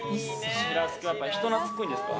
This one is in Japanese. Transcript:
しらす君はやっぱり人懐っこいんですか？